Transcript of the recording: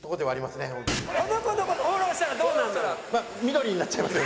この子の事フォローしたらどうなるの？